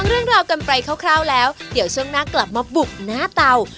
เรื่องราวกันไปคร่าวแล้วเดี๋ยวช่วงหน้ากลับมาบุกหน้าเตา